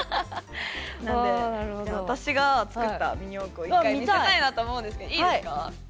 なんで私が作ったミニ四駆を一回見せたいなと思うんですけどいいですか？